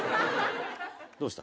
どうした？